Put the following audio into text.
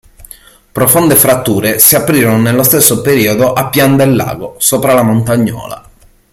Profonde fratture si aprirono nello stesso periodo a Pian del Lago, sopra la Montagnola.